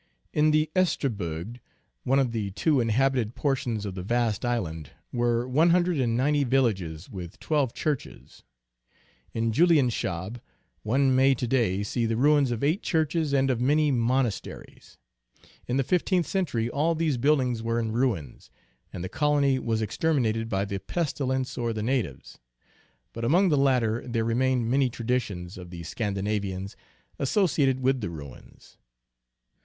In the Oestrbugd, one of the two 10 INTRODUCTION. inhabited portions of the vast island, were one hun dred and ninety villages, with twelve churches. In Juliaiishaab, one may to day see the ruins of eight churches and of many monasteries." In the fifteenth century all these buildings were in ruins, and the col ony was exterminated by the pestilence or the natives. But among the latter there remained many traditions of the Scandinavians associated with the ruins.